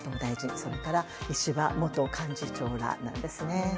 それから石破元幹事長らなんですね。